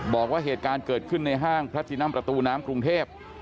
บอกว่าเหตุการณ์เกิดขึ้นในห้างพระจินัมประตูน้ำกรุงเทพ